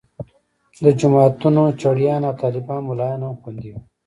د جوماتونو چړیان او طالبان ملایان هم خوندي وو.